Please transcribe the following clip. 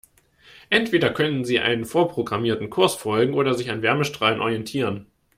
Entweder können sie einem vorprogrammierten Kurs folgen oder sich an Wärmestrahlern orientieren.